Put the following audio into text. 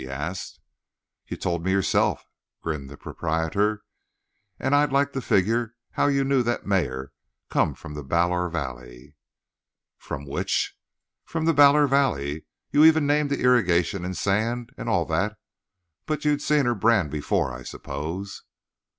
he asked. "You told me yourself," grinned the proprietor, "and I'd like to figure how you knew the mare come from the Ballor Valley." "From which?" "From the Ballor Valley. You even named the irrigation and sand and all that. But you'd seen her brand before, I s'pose?"